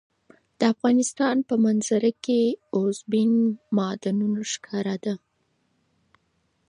د افغانستان په منظره کې اوبزین معدنونه ښکاره ده.